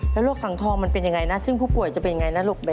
แล้วโรคสังทองมันเป็นยังไงนะซึ่งผู้ป่วยจะเป็นยังไงนะลูก